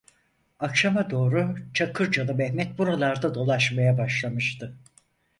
Akşama doğru Çakırcalı Mehmet buralarda dolaşmaya başlamıştı.